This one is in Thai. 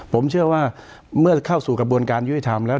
ผมเชื่อว่าเมื่อเข้าสู่กระบวนการยุติธรรมแล้ว